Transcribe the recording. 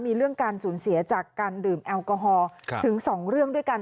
มีเรื่องการสูญเสียจากการดื่มแอลกอฮอลถึง๒เรื่องด้วยกัน